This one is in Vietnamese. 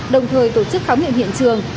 đồng thời tổ chức khám nghiệm hiện trường